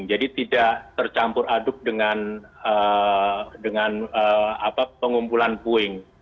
jadi tidak tercampur aduk dengan pengumpulan puing